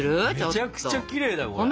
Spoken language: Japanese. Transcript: めちゃくちゃきれいだよこれ。